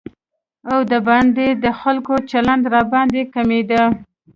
او د باندې د خلکو چلند راباندې غمېده.